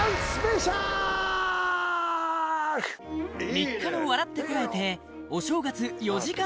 ３日の『笑ってコラえて！』お正月４時間